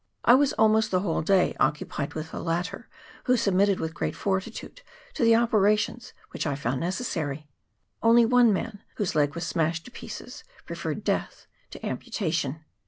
I was almost the whole day occupied with the latter, who submitted with great fortitude to the operations which I found necessary. Only one man, whose leg was smashed to pieces, preferred death to ampu tation.